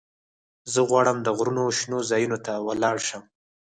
زه غواړم د غرونو شنو ځايونو ته ولاړ شم.